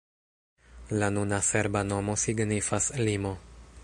La nuna serba nomo signifas: limo.